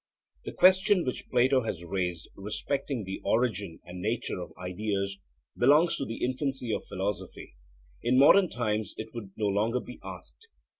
The question which Plato has raised respecting the origin and nature of ideas belongs to the infancy of philosophy; in modern times it would no longer be asked.